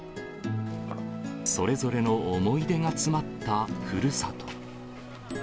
それぞれの思い出が詰まったふるさと。